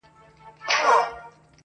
نغمه راغبرګه کړله!